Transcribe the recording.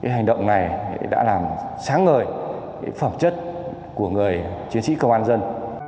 hành động này đã làm sáng ngời phẩm chất của người chiến sĩ công an dân